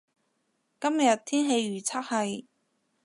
今日天氣預測係